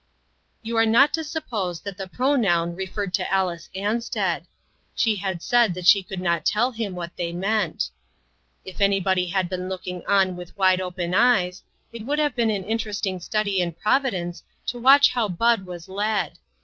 You are not to suppose that the pronoun referred to Alice Ansted. She had said that she could not tell him what they meant. If anybody had been looking on with wide open eyes, it would have been an interest ing study in Providence to watch how Bud was led.